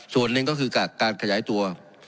ส่วนหนึ่งก็คือการขยายตัว